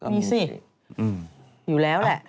มีสิอยู่แล้วแหละ